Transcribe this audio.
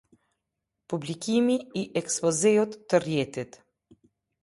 Publikimi i ekspozeut së rrjetit.